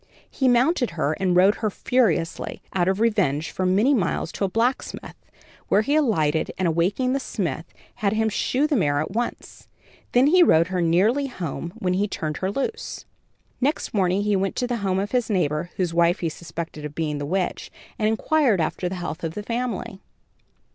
He mounted her and rode her furiously, out of revenge, for many miles to a blacksmith, where he alighted and, awaking the smith, had him shoe the mare at once. Then he rode her nearly home, when he turned her loose. "Next morning he went to the home of his neighbor, whose wife he suspected of being the witch, and inquired after the health of the family.